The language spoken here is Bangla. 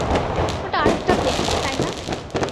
ওটা আরেকটা প্লেন, তাই না?